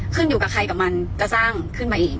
อยู่กับใครกับมันก็สร้างขึ้นมาเอง